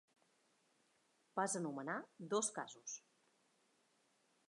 Vas anomenar dos casos.